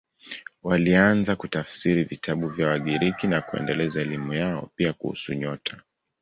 Walianza kutafsiri vitabu vya Wagiriki na kuendeleza elimu yao, pia kuhusu nyota.